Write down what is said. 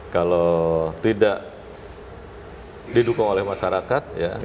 kalau tidak didukung oleh masyarakat